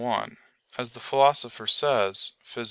1: As the Philosopher says (Phys.